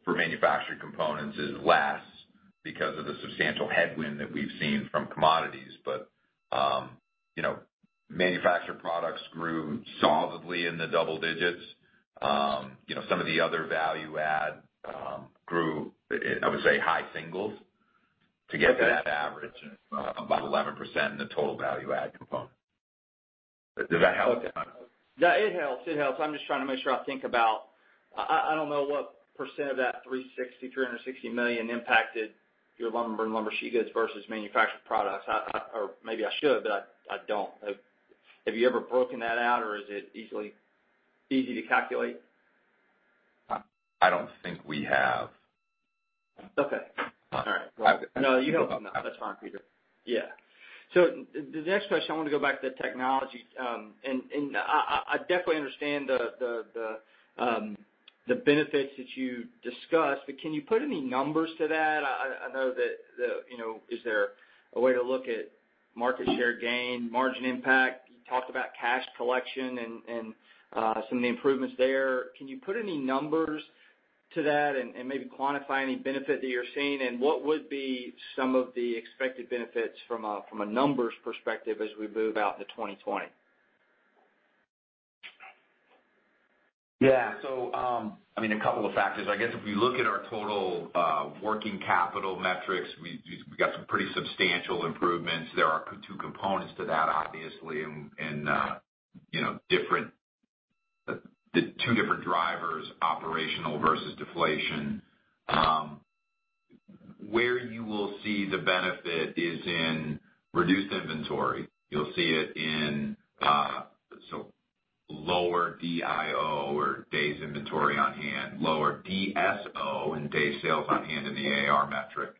manufactured components is less because of the substantial headwind that we've seen from commodities. Manufactured products grew solidly in the double digits. Some of the other value add grew, I would say, high singles to get to that average of about 11% in the total value add component. Did that help? Yeah, it helps. I'm just trying to make sure I don't know what % of that $360 million impacted your lumber and lumber sheet goods versus manufactured products. Maybe I should, but I don't. Have you ever broken that out or is it easy to calculate? I don't think we have. Okay. All right. No, you don't have to. That's fine, Peter. Yeah. The next question, I want to go back to technology. I definitely understand the benefits that you discussed, but can you put any numbers to that? Is there a way to look at market share gain, margin impact? You talked about cash collection and some of the improvements there. Can you put any numbers to that and maybe quantify any benefit that you're seeing? What would be some of the expected benefits from a numbers perspective as we move out into 2020? A couple of factors. I guess if you look at our total working capital metrics, we've got some pretty substantial improvements. There are two components to that, obviously, and two different drivers, operational versus deflation. Where you will see the benefit is in reduced inventory. You'll see it in lower DIO or days inventory on hand, lower DSO and days sales on hand in the AR metric.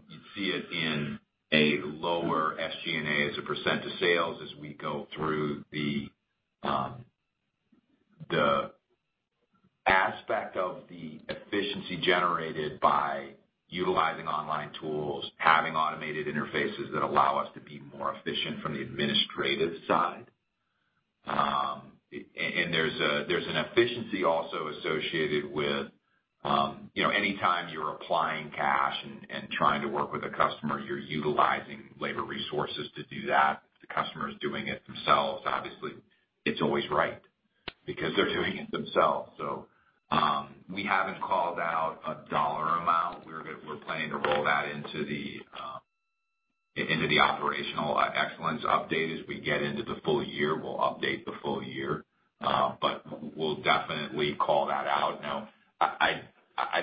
You'd see it in a lower SG&A as a % of sales as we go through the aspect of the efficiency generated by utilizing online tools, having automated interfaces that allow us to be more efficient from the administrative side. There's an efficiency also associated with any time you're applying cash and trying to work with a customer, you're utilizing labor resources to do that. If the customer is doing it themselves, obviously it's always right because they're doing it themselves. We haven't called out a dollar amount. We're planning to roll that into the operational excellence update. As we get into the full year, we'll update the full year, but we'll definitely call that out. I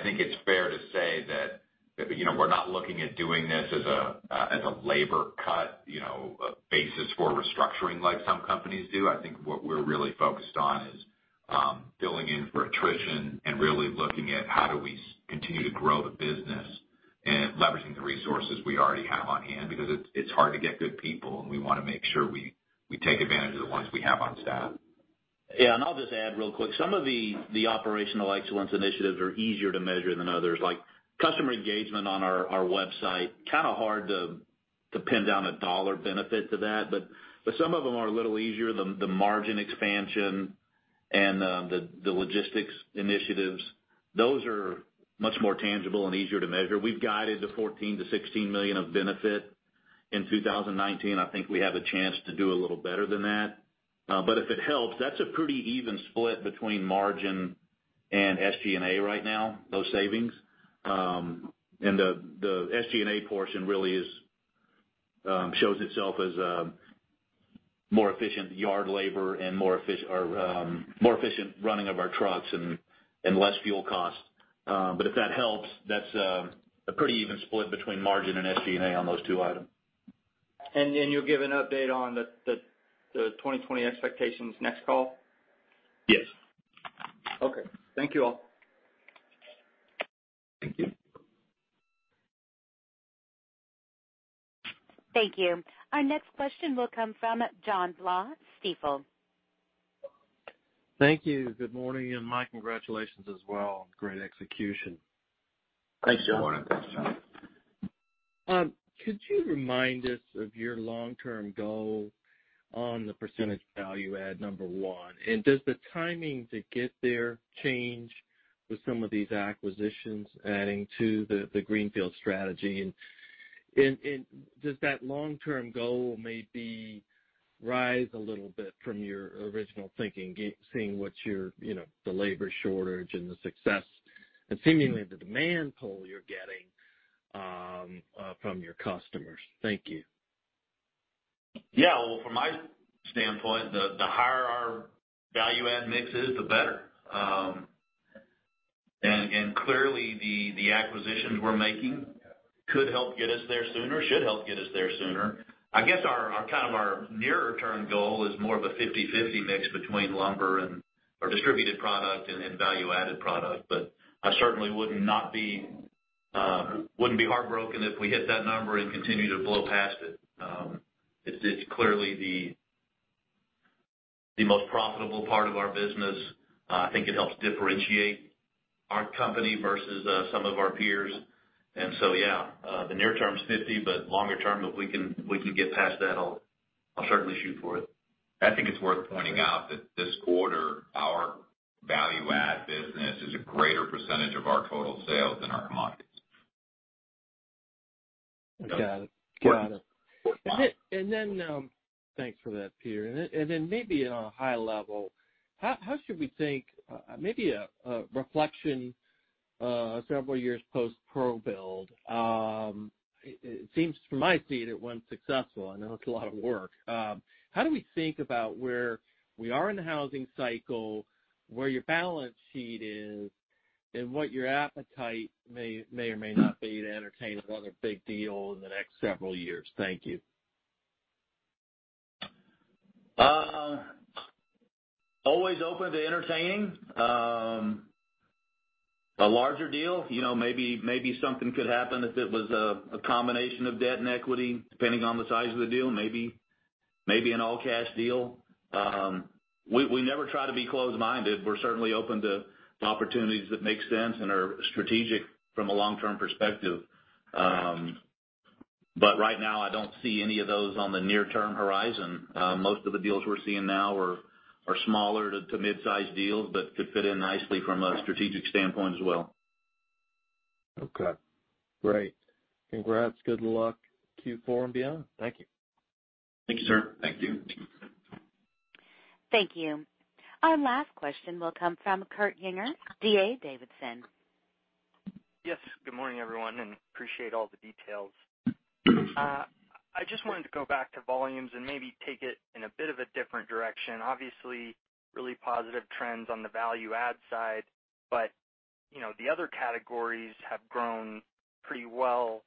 think it's fair to say that we're not looking at doing this as a labor cut basis for restructuring like some companies do. I think what we're really focused on is filling in for attrition and really looking at how do we continue to grow the business and leveraging the resources we already have on hand, because it's hard to get good people, and we want to make sure we take advantage of the ones we have on staff. Yeah, I'll just add real quick, some of the operational excellence initiatives are easier to measure than others. Like customer engagement on our website, kind of hard to pin down a dollar benefit to that. Some of them are a little easier. The margin expansion and the logistics initiatives, those are much more tangible and easier to measure. We've guided the $14 million-$16 million of benefit In 2019, I think we have a chance to do a little better than that. If it helps, that's a pretty even split between margin and SG&A right now, those savings. The SG&A portion really shows itself as more efficient yard labor and more efficient running of our trucks and less fuel costs. If that helps, that's a pretty even split between margin and SG&A on those two items. You'll give an update on the 2020 expectations next call? Yes. Okay, thank you all. Thank you. Thank you. Our next question will come from John Lovallo, Stifel. Thank you. Good morning. Mike, congratulations as well. Great execution. Thanks, John. Good morning. Thanks, John. Could you remind us of your long-term goal on the percentage value add, number 1, and does the timing to get there change with some of these acquisitions adding to the greenfield strategy? Does that long-term goal maybe rise a little bit from your original thinking, seeing what the labor shortage and the success and seemingly the demand pull you're getting from your customers? Thank you. Yeah. Well, from my standpoint, the higher our value add mix is, the better. Clearly, the acquisitions we're making could help get us there sooner. Should help get us there sooner. I guess our nearer-term goal is more of a 50/50 mix between lumber and our distributed product and then value-added product. I certainly wouldn't be heartbroken if we hit that number and continue to blow past it. It's clearly the most profitable part of our business. I think it helps differentiate our company versus some of our peers. Yeah, the near term's 50, but longer term, if we can get past that, I'll certainly shoot for it. I think it's worth pointing out that this quarter, our value add business is a greater % of our total sales than our commodities. Got it. Important. Thanks for that, Peter. Maybe on a high level, how should we think, maybe a reflection several years post ProBuild. It seems from my seat it was successful. I know it's a lot of work. How do we think about where we are in the housing cycle, where your balance sheet is, and what your appetite may or may not be to entertain another big deal in the next several years? Thank you. Always open to entertaining a larger deal. Maybe something could happen if it was a combination of debt and equity, depending on the size of the deal. Maybe an all-cash deal. We never try to be closed-minded. We're certainly open to opportunities that make sense and are strategic from a long-term perspective. Right now, I don't see any of those on the near-term horizon. Most of the deals we're seeing now are smaller to mid-size deals, but could fit in nicely from a strategic standpoint as well. Okay, great. Congrats. Good luck Q4 and beyond. Thank you. Thank you, sir. Thank you. Thank you. Our last question will come from Kurt Yinger, D.A. Davidson. Yes, good morning, everyone, and appreciate all the details. I just wanted to go back to volumes and maybe take it in a bit of a different direction. Obviously, really positive trends on the value add side, but the other categories have grown pretty well,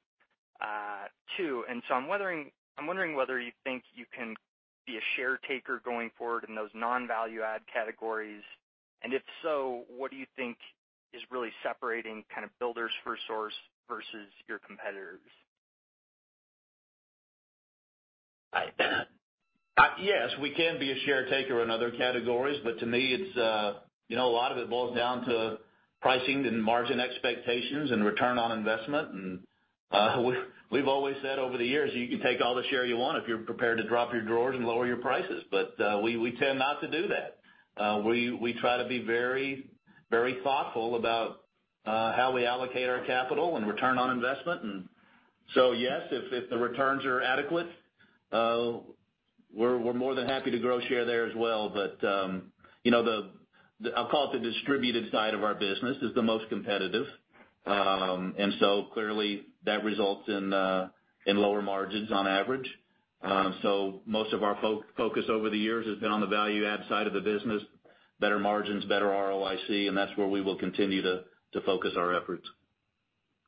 too. I'm wondering whether you think you can be a share taker going forward in those non-value add categories, and if so, what do you think is really separating kind of Builders FirstSource versus your competitors? Yes, we can be a share taker in other categories, but to me, a lot of it boils down to pricing and margin expectations and return on investment. We've always said over the years, you can take all the share you want if you're prepared to drop your drawers and lower your prices. We tend not to do that. We try to be very thoughtful about how we allocate our capital and return on investment. Yes, if the returns are adequate, we're more than happy to grow share there as well. I'll call it the distributed side of our business is the most competitive. Clearly that results in lower margins on average. Most of our focus over the years has been on the value add side of the business, better margins, better ROIC, and that's where we will continue to focus our efforts.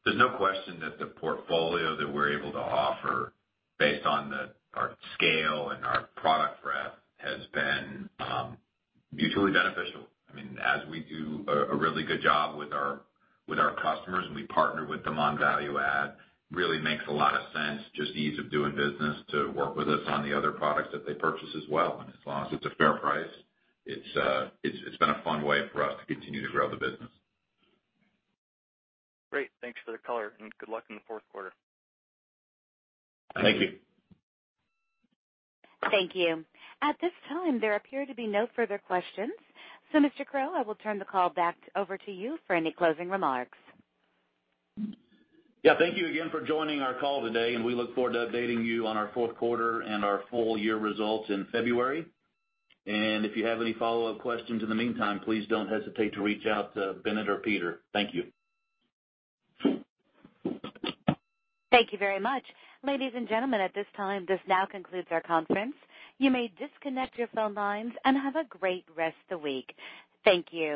There's no question that the portfolio that we're able to offer based on our scale and our product breadth has been mutually beneficial. As we do a really good job with our customers, and we partner with them on value add, really makes a lot of sense, just ease of doing business to work with us on the other products that they purchase as well, and as long as it's a fair price. It's been a fun way for us to continue to grow the business. Great. Thanks for the color. Good luck in the fourth quarter. Thank you. Thank you. At this time, there appear to be no further questions. Mr. Crow, I will turn the call back over to you for any closing remarks. Yeah. Thank you again for joining our call today, and we look forward to updating you on our fourth quarter and our full-year results in February. If you have any follow-up questions in the meantime, please don't hesitate to reach out to Binit or Peter. Thank you. Thank you very much. Ladies and gentlemen, at this time, this now concludes our conference. You may disconnect your phone lines and have a great rest of the week. Thank you.